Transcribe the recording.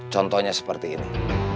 contohnya seperti ini